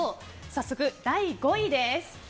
早速、第５位です。